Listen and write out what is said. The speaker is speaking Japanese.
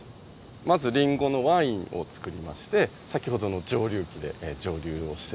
まずりんごのワインを造りまして先ほどの蒸留機で蒸留をしてですね。